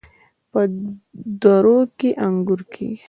په درو کې انګور کیږي.